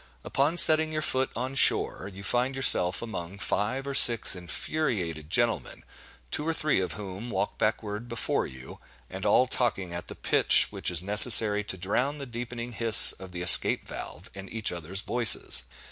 Upon setting your foot on shore, you find yourself among five or six infuriated gentlemen, two or three of whom walk backward before you, and all talking at the pitch which is necessary to drown the deepening hiss of the escape valve and each other's voices.